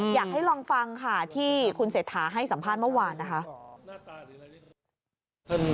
อยากให้ลองฟังค่ะที่คุณเศรษฐาให้สัมภาษณ์เมื่อวานนะคะ